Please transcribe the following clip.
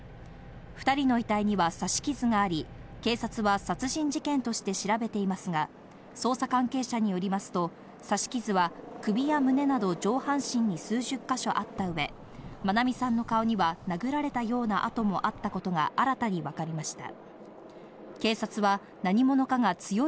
２人の遺体には刺し傷があり、警察は殺人事件として調べていますが、捜査関係者によりますと刺し傷は首や胸など上半身に数十か所あったうえ、愛美さんの顔には殴られたような痕もあったことが新たに分かりました。